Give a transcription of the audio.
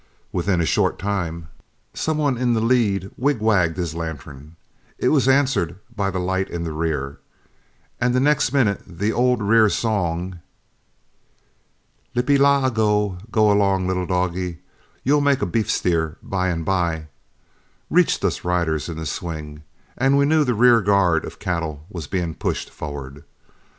Within a short time, some one in the lead wig wagged his lantern; it was answered by the light in the rear, and the next minute the old rear song, "Ip e la ago, go 'long little doggie, You 'll make a beef steer by and by," reached us riders in the swing, and we knew the rear guard of cattle was being pushed forward.